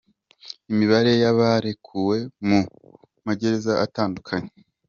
Imibare y’abarekuwe mu ma gereza atandukanye: